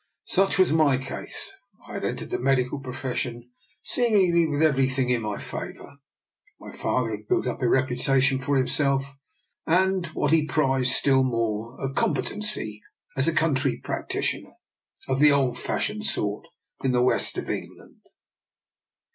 Such was my case. I had entered the medical profession seemingly with everything in my favour. My father had built up a repu tation for himself, and, what he prized still more, a competency as a country practitioner of the old fashioned sort in the west of Eng <^iA4^/J/^^^ ^iCc/yj^< 2 DR. NIKOLA'S EXPERIMENT. land.